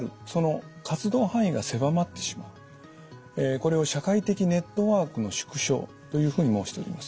これを社会的ネットワークの縮小というふうに申しております。